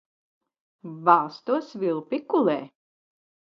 Bāz to svilpi kulē.